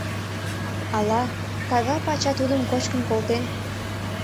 Ала тага пача тудым кочкын колтен?»